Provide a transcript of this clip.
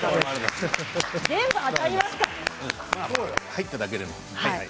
入っただけでも。